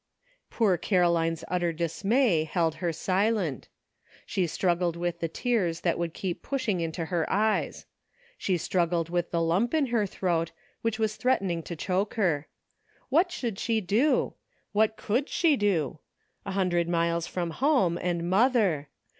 Poor Caroline's utter dismay held her silent. She struggled with the tears that would keep pushing into her eyes. She struggled with the lump in her throat, which was threatening to choke her. What should she do? What could she do? A hundred miles from home and mother!